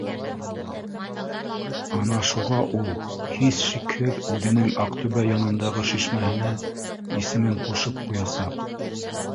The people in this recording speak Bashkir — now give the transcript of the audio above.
Ана шуға ул һис шикһеҙ үҙенең Аҡтүбә янындағы шишмәһенә исемен ҡушып ҡуясаҡ